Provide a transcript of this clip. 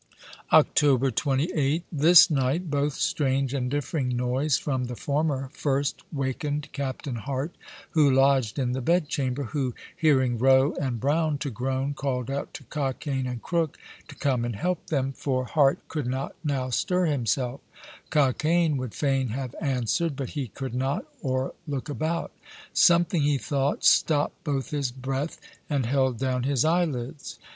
October 28. This night, both strange and differing noise from the former first wakened Captain Hart, who lodged in the bed chamber, who, hearing Roe and Brown to groan, called out to Cockaine and Crook to come and help them, for Hart could not now stir himself; Cockaine would faine have answered, but he could not, or look about; something, he thought, stopt both his breath and held down his eye lids.